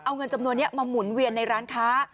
เอาเงินจำนวนนี้มาหมุนเวียนในร้านค้า